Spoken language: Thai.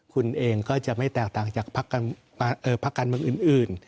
คุณเองก็จะไม่แตกต่างจากพักการเมืองอื่น